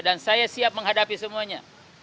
dan saya siap menghadapi semuanya